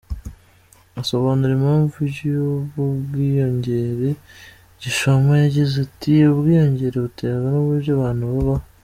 Asobanura impamvu y’ubu bwiyongere, Gishoma yagize, ati “Ubwiyongere buterwa n’uburyo abantu babaho.